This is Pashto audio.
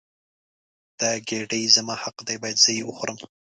دا ګیډۍ زما حق دی باید زه یې وخورم.